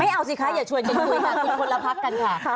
เอาสิคะอย่าชวนกันคุยค่ะกินคนละพักกันค่ะ